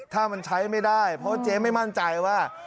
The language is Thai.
ถ้ามันใช้ไม่ได้เพราะเจ๊ไม่มั่นใจว่า